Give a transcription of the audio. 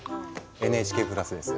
ＮＨＫプラスです。